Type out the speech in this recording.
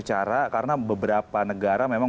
cara karena beberapa negara memang